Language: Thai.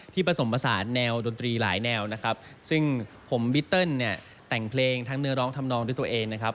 ผสมผสานแนวดนตรีหลายแนวนะครับซึ่งผมบิเติ้ลเนี่ยแต่งเพลงทั้งเนื้อร้องทำนองด้วยตัวเองนะครับ